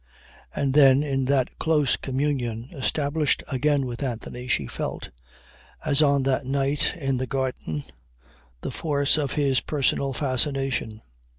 And then, in that close communion established again with Anthony, she felt as on that night in the garden the force of his personal fascination.